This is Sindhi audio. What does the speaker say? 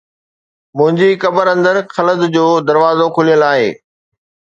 منهنجي قبر اندر خلد جو دروازو کليل آهي